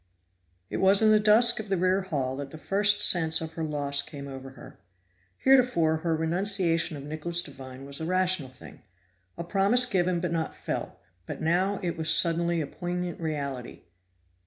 It was in the dusk of the rear hall that the first sense of her loss came over her. Heretofore her renunciation of Nicholas Devine was a rational thing, a promise given but not felt; but now it was suddenly a poignant reality.